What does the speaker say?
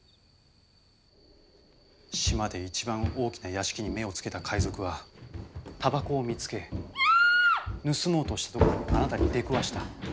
島で一番大きな屋敷に目をつけた海賊はタバコを見つけ盗もうとしたとこにあなたに出くわした。